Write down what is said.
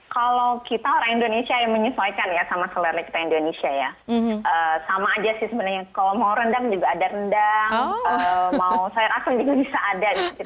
kalau kita orang indonesia yang menyesuaikan ya sama selera kita indonesia sama saja sebenarnya kalau mau rendang juga ada rendang mau sayur asem juga bisa ada kita bisa bikin